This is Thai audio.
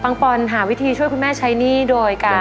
ปอนหาวิธีช่วยคุณแม่ใช้หนี้โดยการ